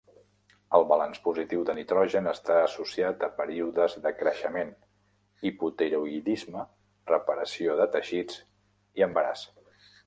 El balanç positiu de nitrogen està associat a períodes de creixement, hipotiroïdisme, reparació de teixits i embaràs.